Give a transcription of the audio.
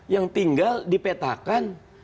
yang tinggal dipetakan